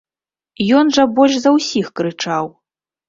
Ён жа больш за ўсіх крычаў.